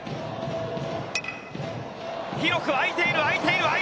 広くあいている、あいている。